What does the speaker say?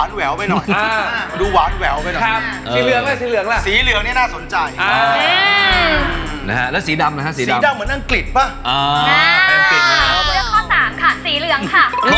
อันนี้ตัดทิ้งไปเลย